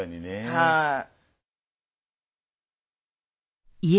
はい。